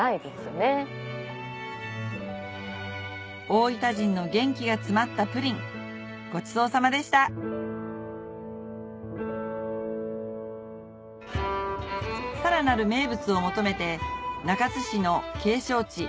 大分人の元気が詰まったプリンごちそうさまでしたさらなる名物を求めて中津市の景勝地